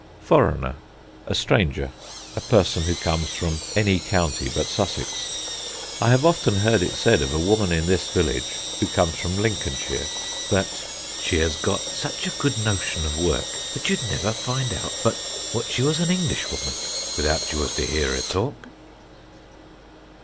Foreigner (A stranger; a person who comes from any other county but Sussex): I have often heard it said of a woman in this village, who comes from Lincolnshire, that "she has got such a good notion of work that you'd never find out but what she was an Englishwoman, without you was to hear her talk."